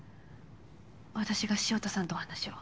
私が潮田さんとお話を。